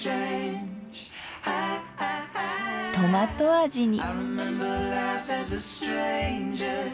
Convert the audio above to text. トマト味に。